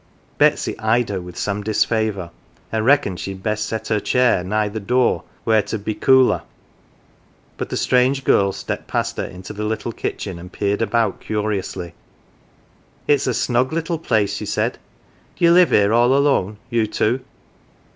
Betsy eyed her with some disfavour, and reckoned she'd best set her a chair nigh the door where Tud be cooler ; but the strange girl stepped past her into the little kitchen and peered about curiously. "Ifs a snug little place,"" she said; "d'ye live here all alone you two